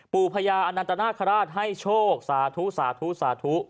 พญาอนันตนาคาราชให้โชคสาธุสาธุสาธุ